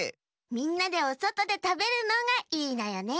みんなでおそとでたべるのがいいのよね。